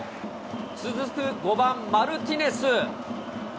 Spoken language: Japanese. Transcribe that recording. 続く５番マルティネス。